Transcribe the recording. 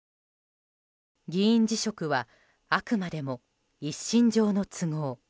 議員辞職はあくまでも一身上の都合。